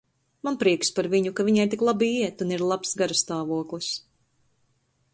Man prieks par viņu, ka viņai tik labi iet un ir labs garastāvoklis.